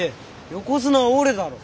横綱は俺だろ。